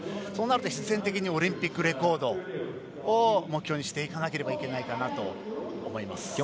そうなると、必然的にオリンピックレコードを目標にしていかなければならないかなと思います。